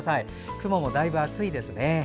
雲もだいぶ厚いですね。